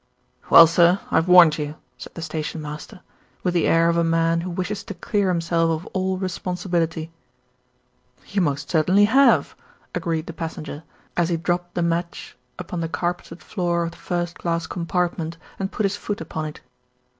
"Well, sir, I've warned you," said the station master, with the air of a man who wishes to clear himself of all responsibility. "You most certainly have," agreed the passenger, as he dropped the match upon the carpeted floor of 11 12 THE RETURN OF ALFRED the first class compartment, and put his foot upon it.